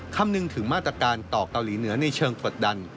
คำนึขึ้นมาตรการต่อกาวลีเหนือในเงินตะวันเดา